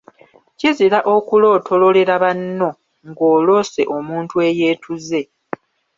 Kizira okulootololera banno ng’oloose omuntu eyeetuze.